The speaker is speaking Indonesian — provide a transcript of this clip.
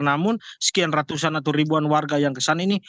namun sekian ratusan atau ribuan warga yang kesana ini